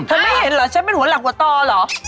ไม่เห็นเหรอฉันเป็นหัวหลักหัวตอเหรอ